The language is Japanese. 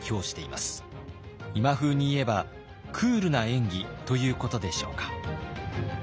今風に言えば「クールな演技」ということでしょうか。